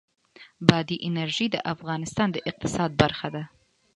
بادي انرژي د افغانستان د اقتصاد برخه ده.